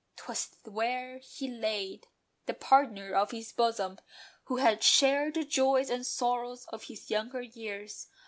'Twas there he laid The partner of his bosom, who had shared The joys and sorrows of his younger years.